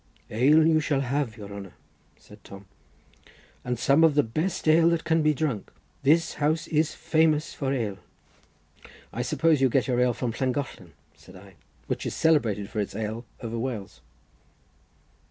"Ale you shall have, your honour," said Tom, "and some of the best ale that can be drunk. This house is famous for ale." "I suppose you get your ale from Llangollen," said I, "which is celebrated for its ale over Wales."